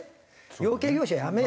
養鶏業者やめ」。